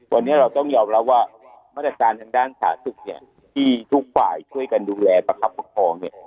วันนี้เราต้องยอมรับว่ามาตรการทางด้านสถาสุขที่ทุกฝ่ายช่วยดูแลประคับปกฎ